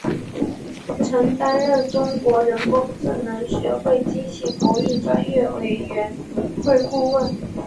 曾担任中国人工智能学会机器博弈专业委员会顾问。